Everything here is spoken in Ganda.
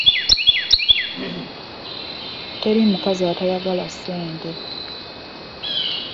Teri mukazi atayagala ssente.